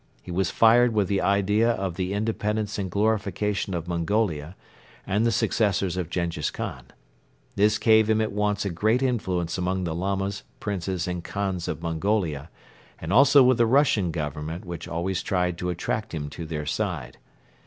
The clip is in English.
He was fired with the idea of the independence and glorification of Mongolia and the successors of Jenghiz Khan. This gave him at once a great influence among the Lamas, Princes and Khans of Mongolia and also with the Russian Government which always tried to attract him to their side.